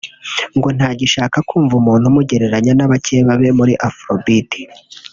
ngo ntagishaka kumva umuntu umugereranya n’abakeba be muri Afrobeat